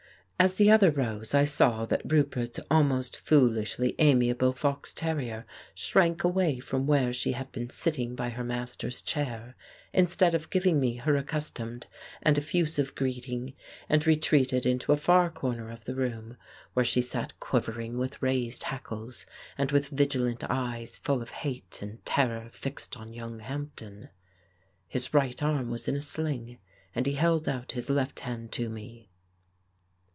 As the other rose, I saw that Roupert's almost foolishly amiable fox terrier shrank away from where she had been sitting by her master's chair, instead of giving me her accustomed and effusive greeting, and retreated into a far corner of the room, where she sat quivering with raised hackles, and with vigilant eyes full of hate and terror fixed on young Hampden. His right arm was in a sling, and he held out his left hand to me.